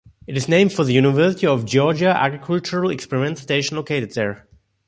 It is named for the University of Georgia Agricultural Experiment Station located there.